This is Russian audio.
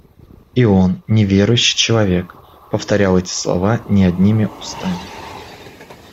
И он, неверующий человек, повторял эти слова не одними устами.